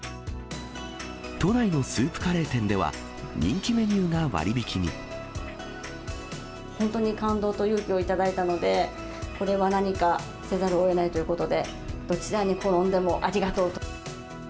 都内のスープカレー店では、本当に感動と勇気を頂いたので、これは何かせざるをえないということで、どちらに転んでもありがとうと。